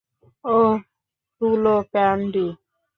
ওহ, তুলো ক্যান্ডি!